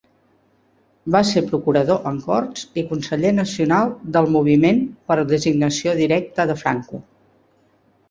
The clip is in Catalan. Va ser Procurador en Corts i Conseller Nacional del Moviment per designació directa de Franco.